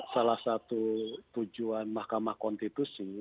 salah satu tujuan mahkamah konstitusi